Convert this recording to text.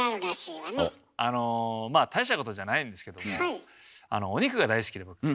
まあ大したことじゃないんですけどもお肉が大好きで僕。